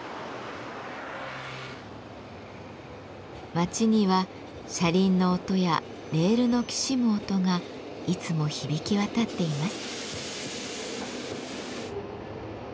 街には車輪の音やレールのきしむ音がいつも響き渡っています。